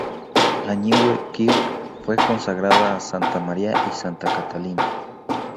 La Nieuwe Kerk fue consagrada a Santa María y Santa Catalina.